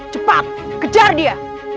cepat kejar dia